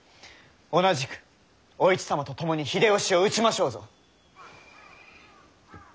同じく！お市様と共に秀吉を討ちましょうぞ！